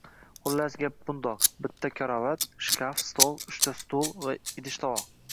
Xullas, gap bundoq, bitta karavot, shkaf, stol, uchta stul va idish-tovoq